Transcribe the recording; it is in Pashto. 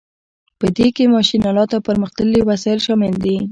په دې کې ماشین الات او پرمختللي وسایل شامل دي.